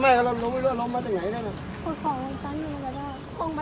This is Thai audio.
สวัสดีครับ